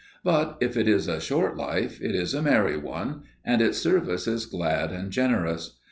But, if it is a short life, it is a merry one, and its service is glad and generous.